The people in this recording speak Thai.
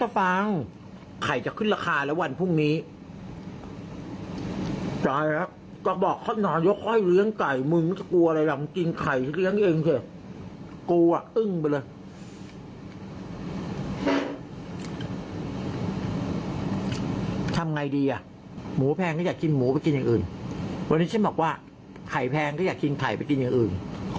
วันนี้ฉันบอกว่าไข่แพงก็อยากกินไข่ไปกินอย่างอื่น